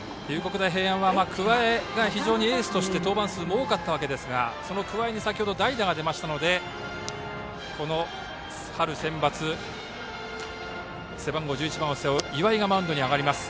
大平安は桑江がエースとして登板数も多かったわけですがその桑江に先程代打が出ましたので春センバツ背番号１１番を背負う岩井がマウンドに上がりました。